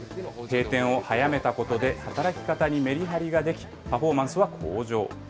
閉店を早めたことで、働き方にメリハリができ、パフォーマンスは向上。